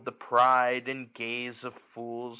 The pride and gaze of fools